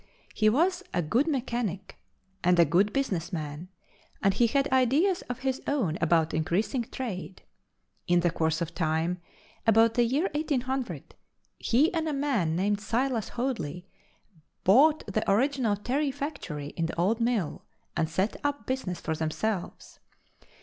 He was a good mechanic, and a good business man, and he had ideas of his own about increasing trade. In the course of time, about the year 1800, he and a man named Silas Hoadley bought the original Terry factory in the old mill, and set up business for themselves.